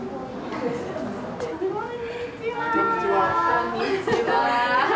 こんにちは。